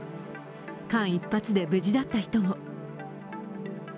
間一髪で無事だった人も。